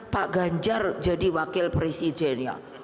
pak ganjar jadi wakil presidennya